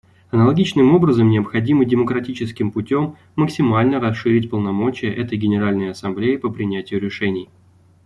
Аналогичным образом, необходимо демократическим путем максимально расширить полномочия этой Генеральной Ассамблеи по принятию решений.